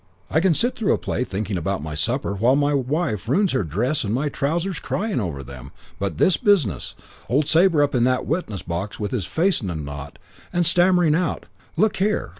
I can sit through a play thinking about my supper while my wife ruins her dress and my trousers crying over them but this business, old Sabre up in that witness box with his face in a knot and stammering out 'Look here